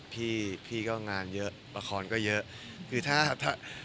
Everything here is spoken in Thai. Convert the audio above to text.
พี่พี่ก็งานเยอะละครก็เยอะคือถ้าถ้า